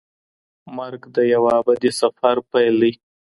مرګ د یو ابدي سفر پیل دی.